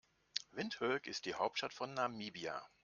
Windhoek ist die Hauptstadt von Namibia.